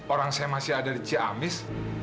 orang saya masih ada di ciamis